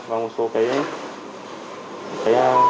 và một số cái